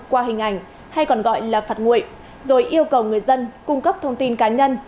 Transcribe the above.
qua hình ảnh hay còn gọi là phạt nguội rồi yêu cầu người dân cung cấp thông tin cá nhân